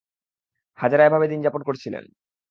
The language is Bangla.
হাজেরা এভাবে দিনযাপন করছিলেন।